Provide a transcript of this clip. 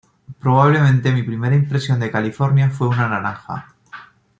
Probablemente mi primera impresión de California fue una naranja.